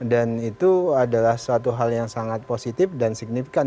dan itu adalah suatu hal yang sangat positif dan signifikan